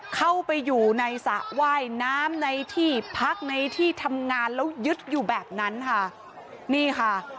เข้าไปอยู่ในสระว่ายน้ำในที่พักในที่ทำงานแล้วยึดอยู่แบบนั้นค่ะนี่ค่ะ